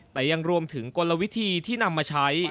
แต่ยังรวมถึงกลวิธีที่นำมาใช้